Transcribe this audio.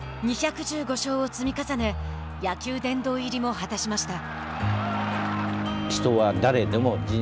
２１５勝を積み重ね野球殿堂入りも果たしました。